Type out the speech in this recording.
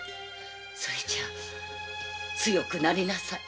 それじゃ強くなりなさい。